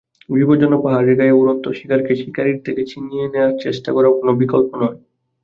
বিপজ্জনক পাহাড়ের গায়ে উড়ন্ত শিকারকে শিকারির থেকে ছিনিয়ে নেওয়ার চেষ্টা করা কোনও বিকল্প নয়।